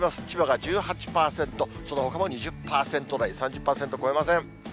千葉が１８％、そのほかも２０％台、３０％超えません。